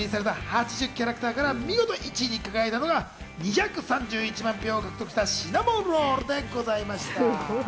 エントリーされた８０キャラクターから見事１位に輝いたのは２３１万票を獲得したシナモロールでございました。